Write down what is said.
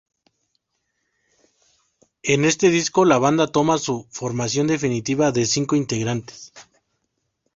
En este disco la banda toma su formación definitiva de cinco integrantes.